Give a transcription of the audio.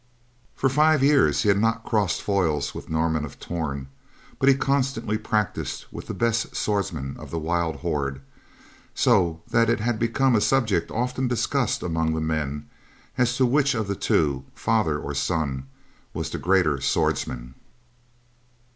For five years, he had not crossed foils with Norman of Torn, but he constantly practiced with the best swordsmen of the wild horde, so that it had become a subject often discussed among the men as to which of the two, father or son, was the greater swordsman.